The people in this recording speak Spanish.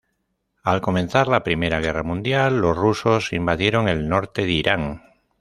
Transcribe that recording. Al comenzar la Primera Guerra Mundial, los rusos invadieron el norte de Irán.